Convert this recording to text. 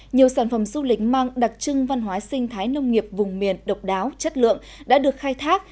nhiều sản phẩm du lịch mang đặc trưng văn hóa sinh thái nông nghiệp vùng miền độc đáo chất lượng đã được khai thác